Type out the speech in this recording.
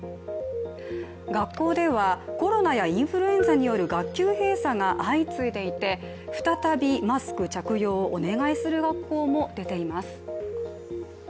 学校ではコロナやインフルエンザによる学級閉鎖が相次いでいて、再びマスク着用をお願いする学校も出ています